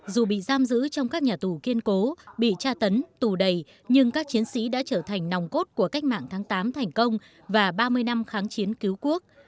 dù bị giam giữ trong các nhà tù kiên cố bị tra tấn tù đầy nhưng các chiến sĩ đã trở thành nòng cốt của cách mạng tháng tám thành công và ba mươi năm kháng chiến cứu quốc